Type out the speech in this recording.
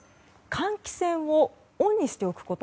換気扇をオンにしておくこと。